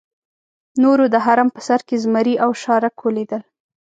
نورو د هرم په سر کې زمري او شارک ولیدل.